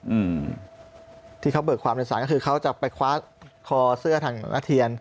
อืมที่เขาเบิกความโดยสารก็คือเขาจะไปคว้าคอเสื้อทางอาเทียน